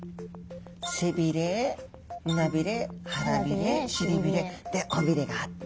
背びれ胸びれ腹びれ臀びれで尾びれがあって。